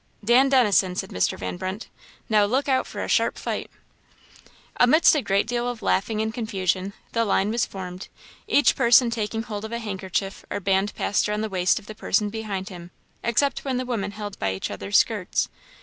"Dan Dennison," said Mr. Van Brunt. "Now look out for a sharp fight." Amidst a great deal of laughing and confusion, the line was formed, each person taking hold of a handkerchief or band passed round the waist of the person before him, except when the women held by each other's skirts.